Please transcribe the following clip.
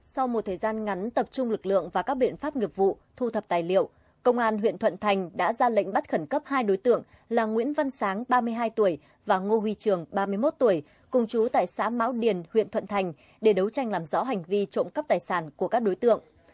sau một thời gian ngắn tập trung lực lượng và các biện pháp nghiệp vụ thu thập tài liệu công an huyện thuận thành đã ra lệnh bắt khẩn cấp hai đối tượng là nguyễn văn sáng ba mươi hai tuổi và ngô huy trường ba mươi một tuổi cùng chú tại xã mão điền huyện thuận thành để đấu tranh làm rõ hành vi trộm cắp tài sản của các đối tượng